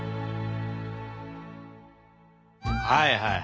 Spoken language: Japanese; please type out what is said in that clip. はいはい。